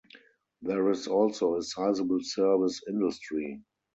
There is also a sizable service industry.